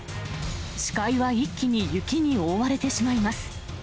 視界は一気に雪に覆われてしまいます。